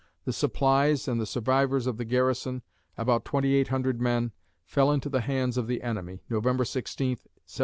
The supplies and the survivors of the garrison about twenty eight hundred men fell into the hands of the enemy (November 16, 1776).